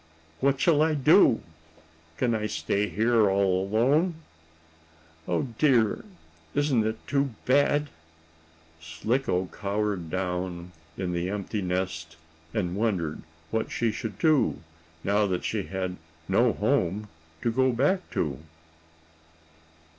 What shall I do? Can I stay here all alone? Oh, dear! Isn't it too bad!" Slicko cowered down in the empty nest and wondered what she should do, now that she had no home to go back to.